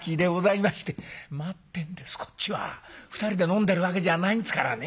２人で飲んでるわけじゃないんですからね。